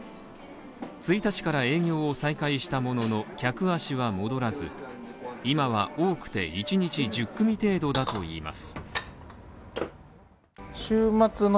１日から営業を再開したものの、客足は戻らず、今は多くて１日１０組程度だといいます。